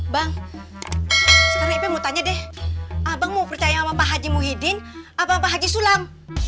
bang sekarang ibu mau tanya deh abang mau percaya sama pak haji muhyiddin abang pak haji sulam